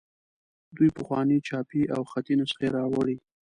دوی پخوانۍ چاپي او خطي نسخې راوړي.